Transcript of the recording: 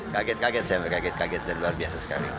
kaget kaget saya kaget kaget dan luar biasa sekali